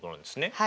はい。